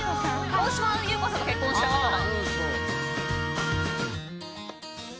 大島優子さんと結婚した方だ。